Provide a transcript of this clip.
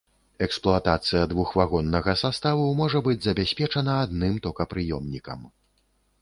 Эксплуатацыя двухвагоннага саставу можа быць забяспечана адным токапрыёмнікам.